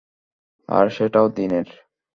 আর সেটাও দিনের।